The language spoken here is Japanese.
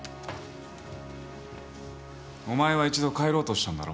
お前は一度帰ろうとしたんだろ？